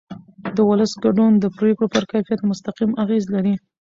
د ولس ګډون د پرېکړو پر کیفیت مستقیم اغېز لري